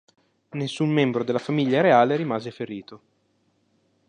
Nessun membro della famiglia reale rimase ferito.